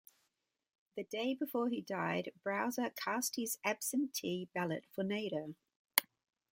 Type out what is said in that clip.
The day before he died, Brower cast his absentee ballot for Nader.